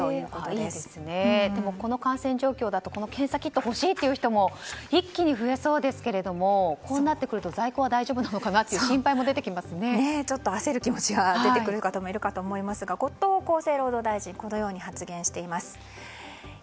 でもこの感染状況だとこの検査キットが欲しいという方も一気に増えそうですけれどもこうなってくると在庫は大丈夫なのかなという焦る気持ちが出てくる方もいるかと思いますが後藤厚生労働大臣このように発言しています。